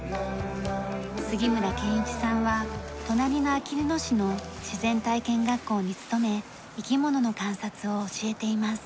杉村健一さんは隣のあきる野市の自然体験学校に勤め生き物の観察を教えています。